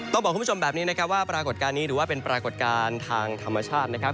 บอกคุณผู้ชมแบบนี้นะครับว่าปรากฏการณ์นี้ถือว่าเป็นปรากฏการณ์ทางธรรมชาตินะครับ